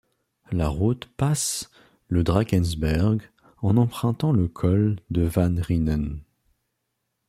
La route passe le Drakensberg en empruntant le col de Van Reenen.